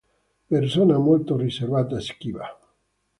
Persona molto riservata, schiva.